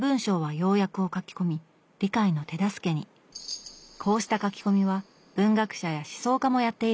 こうした書き込みは文学者や思想家もやっているそうです。